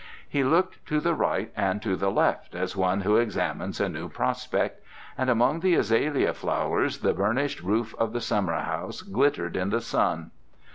He looked to the right and the left as one who examines a new prospect, and among the azalea flowers the burnished roof of the summer house glittered in the sun.